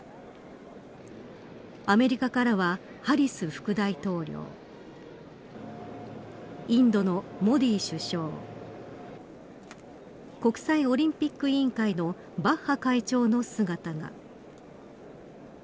アメリカからはハリス副大統領インドのモディ首相国際オリンピック委員会のバッハ会長の姿が。